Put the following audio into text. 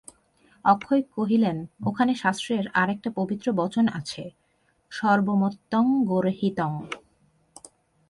অক্ষয় কহিলেন, ওখানে শাস্ত্রের আর-একটা পবিত্র বচন আছে– সর্বমত্যন্ত-গর্হিতং।